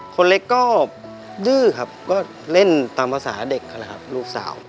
คนเล็กก็ดื้อครับก็เล่นตามภาษาเด็กกันแหละครับลูกสาว